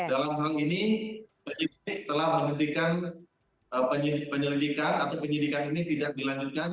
dalam hal ini penyidik telah menghentikan penyelidikan atau penyidikan ini tidak dilanjutkan